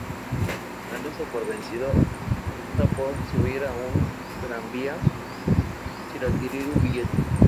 Dándose por vencido, opta por subir a un tranvía sin adquirir un billete.